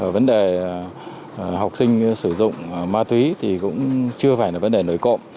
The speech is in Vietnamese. vấn đề học sinh sử dụng ma túy thì cũng chưa phải là vấn đề nổi cộng